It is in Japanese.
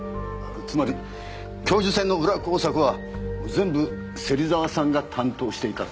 つまり教授選の裏工作は全部芹沢さんが担当していたと？